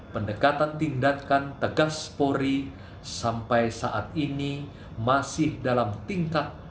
pendekatan tindakan tegas polri sampai saat ini masih dalam tingkat